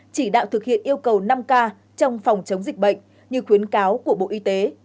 chỉ đạo thực hiện yêu cầu năm k trong phòng chống dịch bệnh như khuyến cáo của bộ y tế